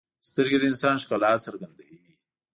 سترګې د انسان ښکلا څرګندوي